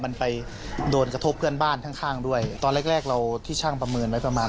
มันไปโดนกระทบเพื่อนบ้านข้างข้างด้วยตอนแรกแรกเราที่ช่างประเมินไว้ประมาณ